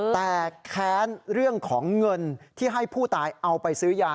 แต่แค้นเรื่องของเงินที่ให้ผู้ตายเอาไปซื้อยา